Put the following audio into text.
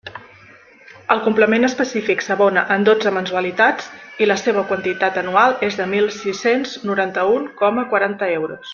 El complement específic s'abona en dotze mensualitats i la seua quantia anual és de mil sis-cents noranta-un coma quaranta euros.